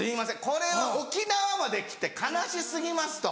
これは沖縄まで来て悲し過ぎます。